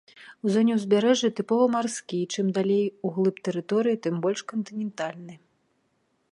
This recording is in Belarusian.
У зоне ўзбярэжжа тыпова марскі, і чым далей углыб тэрыторыі, тым больш кантынентальны.